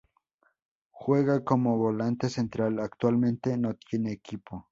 Juega como volante central actualmente no tiene equipo.